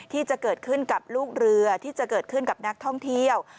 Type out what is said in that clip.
ที่จะเกิดขึ้นกับลูกเรือที่จะเกิดขึ้นกับนักท่องเที่ยว